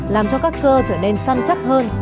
làm cho các cơ trở nên săn chắc hơn